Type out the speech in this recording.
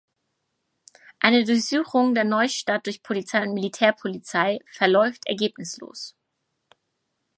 Eine Durchsuchung der "Neustadt" durch Polizei und Militärpolizei verläuft ergebnislos.